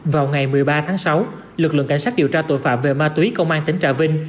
vào ngày một mươi ba tháng sáu lực lượng cảnh sát điều tra tội phạm về ma túy công an tỉnh trà vinh